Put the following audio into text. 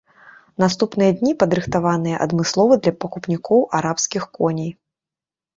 Наступныя дні падрыхтаваныя адмыслова для пакупнікоў арабскіх коней.